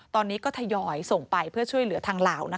ตอนนี้ก็ทยอยส่งไปเพื่อช่วยเหลือทางลาว